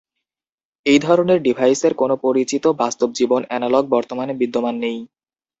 এই ধরনের ডিভাইসের কোন পরিচিত বাস্তব-জীবন অ্যানালগ বর্তমানে বিদ্যমান নেই।